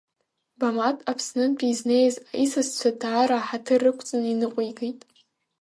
Бамаҭ Аԥснынтәи изнеиз исасцәа даара аҳаҭыр рықәҵаны иныҟәигеит.